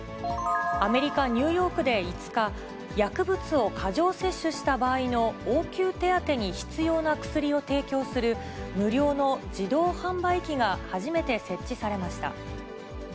アメリカ・ニューヨークで５日、薬物を過剰摂取した場合の応急手当てに必要な薬を提供する、無料の自動販売機が初めて設置されました。